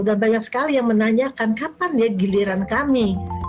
dan banyak sekali yang menanyakan kapan ya giliran kami